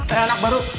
eh anak baru